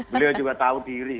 beliau juga tahu diri